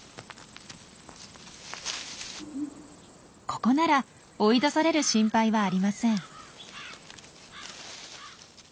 ここなら追い出される心配はありません。